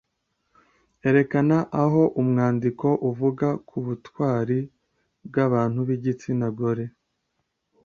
Erekana aho umwandiko uvuga ku butwari bw’abantu b’igitsina gore.